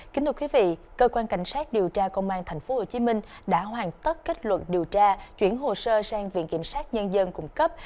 kính thưa quý vị cơ quan cảnh sát điều tra công an tp hcm đã hoàn tất kết luận điều tra chuyển hồ sơ sang viện kiểm sát nhân dân cung cấp